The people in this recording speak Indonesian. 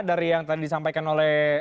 dari yang tadi disampaikan oleh